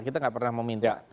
kita gak pernah meminta